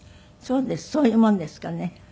そういうもんですかね。